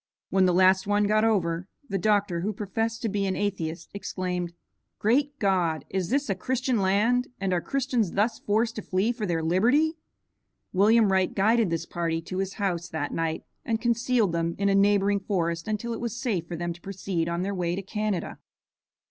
When the last one got over, the doctor, who professed to be an atheist, exclaimed, "Great God! is this a Christian land, and are Christians thus forced to flee for their liberty?" William Wright guided this party to his house that night and concealed them in a neighboring forest until it was safe for them to proceed on their way to Canada.